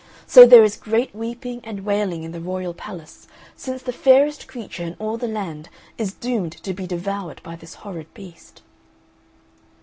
So there is great weeping and wailing in the royal palace, since the fairest creature in all the land is doomed to be devoured by this horrid beast."